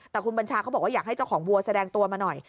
แต่คุณบัญชาเขาบอกว่าอยากให้เจ้าของวัวแสดงตัวมาหน่อย